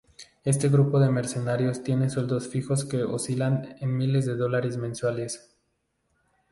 Este grupo de mercenarios tiene sueldos fijos que oscilan en miles de dólares mensuales.